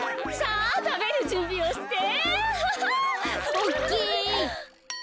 オーケー！